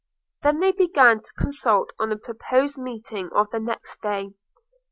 They then began to consult on the proposed meeting of the next day.